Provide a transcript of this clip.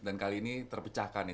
dan kali ini terpecahkan nih